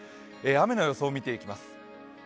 雨の予想を見ていきます。